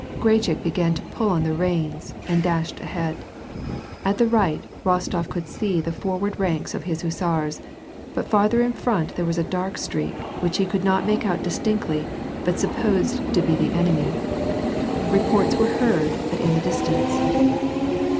Grachik began to pull on the reins, and •dashed ahead. At the right, Rostof could see the forward ranks of his hussars, but farther in front there wius a dark streak, which he could not make out distinctly but supposed to be the enemy. Reports were heard, but in the distance.